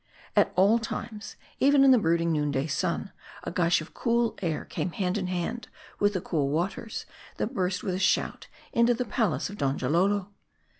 M* 274 MARDI. At all times, even in the brooding noon day, a gush of cool air came hand in hand with the cool waters, that burst with a shout into the palace of Donjalolo.